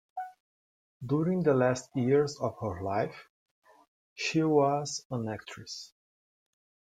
During the last years of her life, she was an actress.